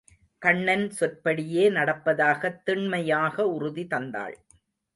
கண்ணன் சொற்படியே நடப்பதாகத் திண்மையாக உறுதி தந்தாள்.